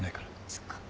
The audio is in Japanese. そっか。